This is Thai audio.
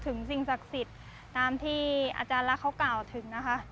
สิ่งศักดิ์สิทธิ์ตามที่อาจารย์ลักษ์เขากล่าวถึงนะคะ